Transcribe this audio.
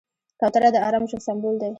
کوتره د ارام ژوند سمبول دی.